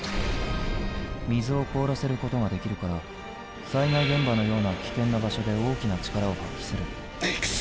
水を凍らせることができるから災害現場のような危険な場所で大きな力を発揮するくそ！